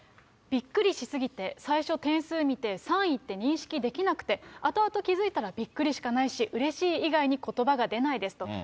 びっくりしすぎて最初点数見て、３位って認識できなくて、あとあと気付いたらびっくりしかないし、うれしい以外にことばが出ないですと。